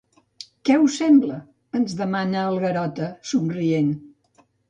Què us sembla? —ens demana el Garota, somrient.